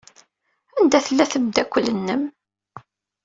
Anda tella tmeddakel-nnem?